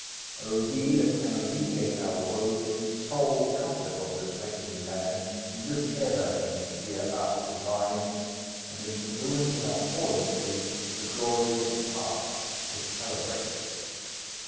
O ye, that can alleviate our woes, Sole comfort of this wretched land, Live ever, ye dear Arts divine, Amid the ruins of our fallen state, The glories of the past to celebrate!